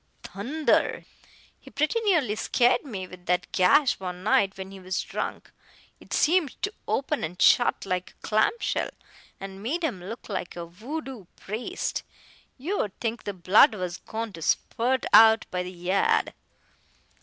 Thunder! he pretty nearly scared me with that gash one night when he was drunk. It seemed to open and shut like a clam shell, and made him look like a Voodoo priest! You'd think the blood was goan to spurt out by the yard."